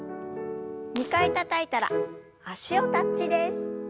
２回たたいたら脚をタッチです。